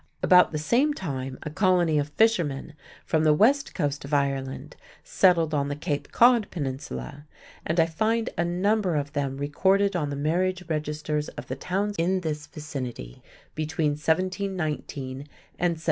About the same time a colony of fishermen from the west coast of Ireland settled on the Cape Cod peninsula, and I find a number of them recorded on the marriage registers of the towns in this vicinity between 1719 and 1743.